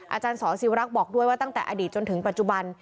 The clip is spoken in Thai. อาจารย์สอสิวรักษ์บอกด้วยว่าตั้งแต่อดีตจนถึงปัจจุบัน